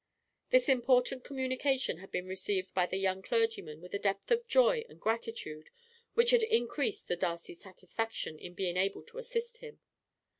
This important communication had been received by the young clergyman with a depth of joy and gratitude which had increased the Darcys' satisfaction in being able to assist him.